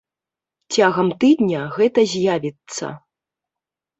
Цягам тыдня гэта з'явіцца.